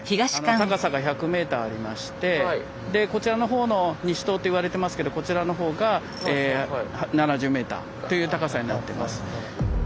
高さが１００ｍありましてでこちらの方の西棟っていわれてますけどこちらの方が７０ｍという高さになってます。